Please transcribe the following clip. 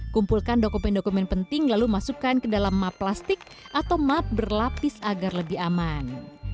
kumpulkan dokumen dokumen penting lalu masukkan ke dalam map plastik atau map berlapis agar lebih aman